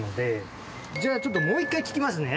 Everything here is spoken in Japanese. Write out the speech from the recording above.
じゃあちょっともう一回聞きますね。